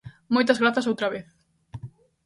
Moitas grazas outra vez.